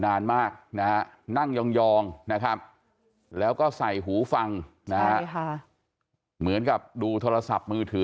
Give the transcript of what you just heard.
นานมากนะฮะนั่งยองนะครับแล้วก็ใส่หูฟังนะฮะเหมือนกับดูโทรศัพท์มือถือ